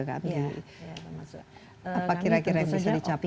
apa kira kira bisa dicapai